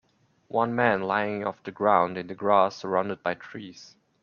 one man lying of the ground in the grass surrounded by trees.